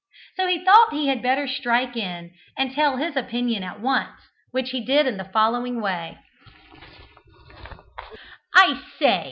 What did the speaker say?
So he thought he had better strike in and tell his opinion at once, which he did in the following way: "I say!"